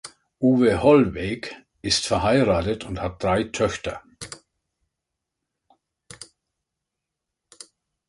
Uwe Hollweg ist verheiratet und hat drei Töchter.